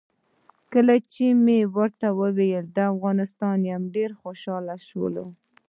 کله چې مې ورته وویل د افغانستان یم ډېر خوشاله شو.